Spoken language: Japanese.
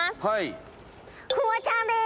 フワちゃんです！